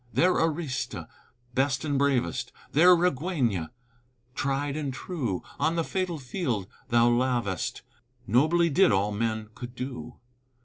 There Arista, best and bravest, There Raguena, tried and true, On the fatal field thou lavest, Nobly did all men could do.